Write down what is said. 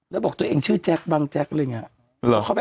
แล้วบอกตัวเองชื่อแจ๊คบังแจ๊กอะไรอย่างนี้